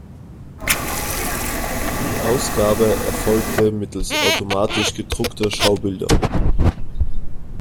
Die Ausgabe erfolgte mittels automatisch gedruckter Schaubilder.